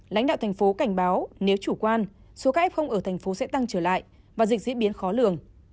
lãnh đạo thành phố cảnh báo nếu chủ quan số các f ở thành phố sẽ tăng trở lại và dịch diễn biến khó lường